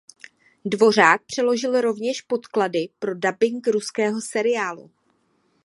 Dvořák přeložil rovněž podklady pro dabing ruského seriálu.